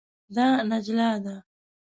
دا نجله ده.